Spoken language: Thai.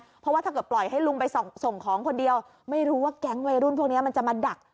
เพราะว่าถ้าเกิดปล่อยให้ลุงไปส่งของคนเดียวไม่รู้ว่าแก๊งวัยรุ่นพวกนี้มันจะมาดัก